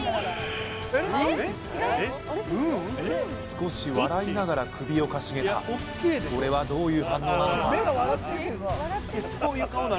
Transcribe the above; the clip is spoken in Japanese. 少し笑いながら首をかしげたこれはどういう反応なのか？